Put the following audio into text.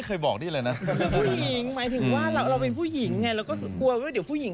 ความผู้หญิงบ๊วยเบ้ลอ่ะเดี๋ยว